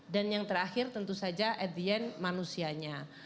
dan yang terakhir tentu saja at the end manusianya